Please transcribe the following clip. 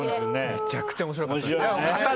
めちゃくちゃ面白かった。